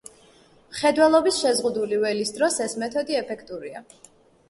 მხედველობის შეზღუდული ველის დროს ეს მეთოდი ეფექტურია.